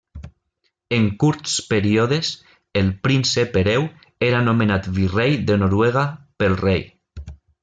En curts períodes, el príncep hereu era nomenat virrei de Noruega pel rei.